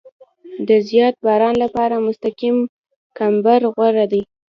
د زیات باران لپاره مستقیم کمبر غوره دی